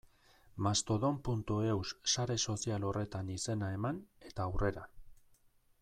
Mastodon.eus sare sozial horretan izena eman, eta aurrera.